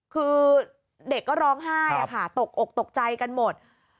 คือเด็กก็ร้องไห้ตกอกตกใจกันหมด